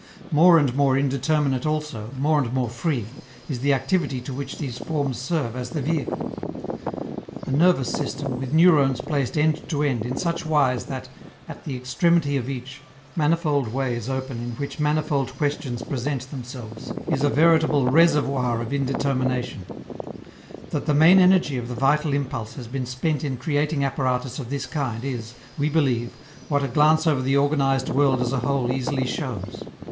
More and more indeterminate also, more and more free, is the activity to which these forms serve as the vehicle. A nervous system, with neurones placed end to end in such wise that, at the extremity of each, manifold ways open in which manifold questions present themselves, is a veritable reservoir of indetermination. That the main energy of the vital impulse has been spent in creating apparatus of this kind is, we believe, what a glance over the organized world as a whole easily shows.